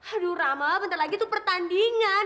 aduh rama bentar lagi itu pertandingan